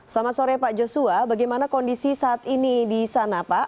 selamat sore pak joshua bagaimana kondisi saat ini di sana pak